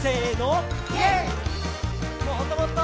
もっともっと！